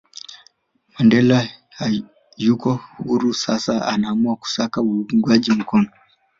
Mandela yuko huru sasa anaamua kusaka uungwaji mkono